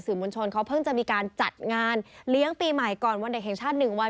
มวลชนเขาเพิ่งจะมีการจัดงานเลี้ยงปีใหม่ก่อนวันเด็กแห่งชาติ๑วัน